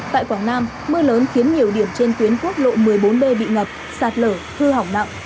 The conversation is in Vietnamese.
tại quảng nam mưa lớn khiến nhiều điểm trên tuyến quốc lộ một mươi bốn b bị ngập sạt lở hư hỏng nặng